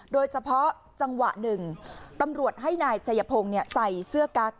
โดยเฉพาะจังหวะหนึ่งตำรวจให้นายชัยพงศ์ใส่เสื้อกั๊ก